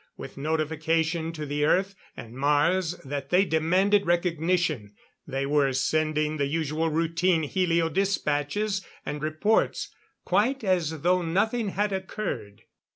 With notification to the Earth and Mars that they demanded recognition, they were sending the usual routine helio dispatches and reports, quite as though nothing had occurred.